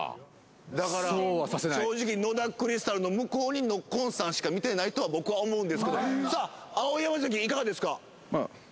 正直野田クリスタルの向こうにノッコンさんしか見てないとは僕は思うんですけどさあ碧山関いかがですか？